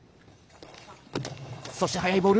そして速いボール。